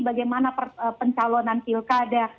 bagaimana pencalonan pilkada